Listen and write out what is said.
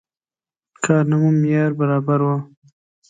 کارنامه معیار برابره وه.